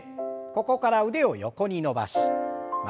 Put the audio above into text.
ここから腕を横に伸ばし曲げて。